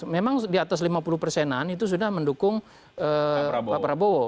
memang di atas lima puluh persenan itu sudah mendukung pak prabowo